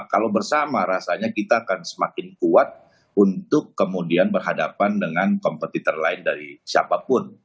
kalau bersama rasanya kita akan semakin kuat untuk kemudian berhadapan dengan kompetitor lain dari siapapun